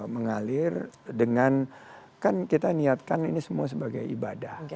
mengalir dengan kan kita niatkan ini semua sebagai ibadah